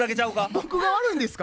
僕が悪いんですか？